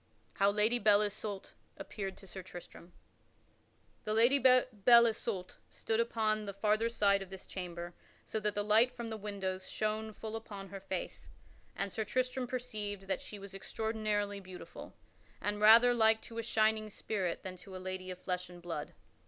[Sidenote: How Lady Belle Isoult appeared to Sir Tristram] The Lady Belle Isoult stood upon the farther side of this chamber so that the light from the windows shone full upon her face, and Sir Tristram perceived that she was extraordinarily beautiful, and rather like to a shining spirit than to a lady of flesh and blood.